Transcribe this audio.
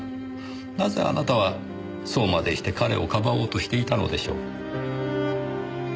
なぜあなたはそうまでして彼をかばおうとしていたのでしょう？